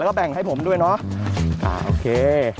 แล้วก็แบ่งให้ผมด้วยเนาะโอเค